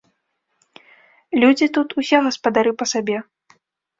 Людзі тут усе гаспадары па сабе.